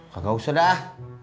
gak usah dah